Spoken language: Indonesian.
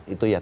itu ya tentu